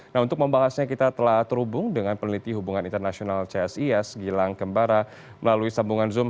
nah untuk membahasnya kita telah terhubung dengan peneliti hubungan internasional csis gilang kembara melalui sambungan zoom